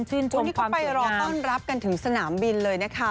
ชื่นชมความสวยงามนะคะคุณดูนี่ก็ไปรอต้อนรับกันถึงสนามบินเลยนะคะ